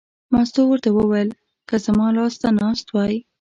مستو ورته وویل: که زما لاس ته ناست وای.